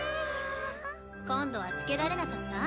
今度はつけられなかった？